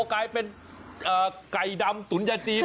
กลายเป็นไก่ดำตุ๋นยาจีน